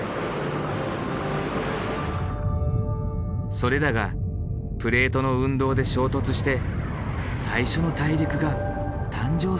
それらがプレートの運動で衝突して最初の大陸が誕生したのではないか。